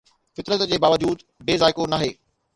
فطرت جي باوجود بي ذائقو ناهي